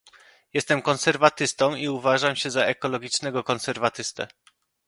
Jestem konserwatystą i uważam się za ekologicznego konserwatystę